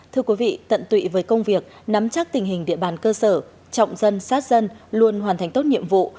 thưa quý vị tận tụy với công việc nắm chắc tình hình địa bàn cơ sở trọng dân sát dân luôn hoàn thành tốt nhiệm vụ